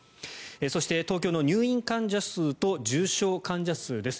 そして、東京の入院患者数と重症患者数です。